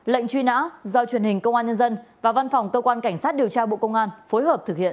lệnh truy nã do truyền hình công an nhân dân và văn phòng cơ quan cảnh sát điều tra bộ công an phối hợp thực hiện